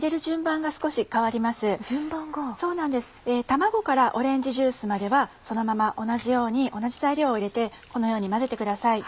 卵からオレンジジュースまではそのまま同じように同じ材料を入れてこのように混ぜてください。